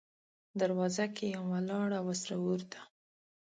دروازه کې یم ولاړه، وه سره اور ته